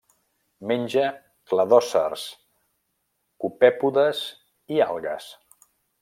Menja cladòcers, copèpodes i algues.